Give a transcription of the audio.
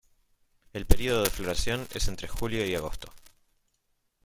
El período de floración es entre julio y agosto.